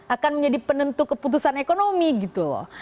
akan menjadi penentu keputusan ekonomi gitu loh